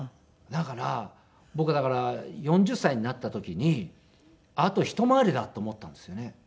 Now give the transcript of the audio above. だから僕だから４０歳になった時にあと一回りだって思ったんですよね。